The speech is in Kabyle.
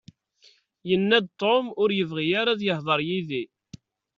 Yenna-d Tom ur yebɣi ara ad yehder yid-i.